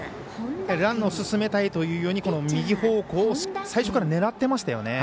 ランナーを進めたいから右方向を最初から狙ってましたよね。